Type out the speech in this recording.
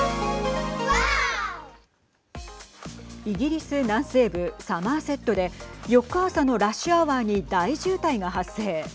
イギリス南西部サマーセットで４日朝のラッシュアワーに大渋滞が発生。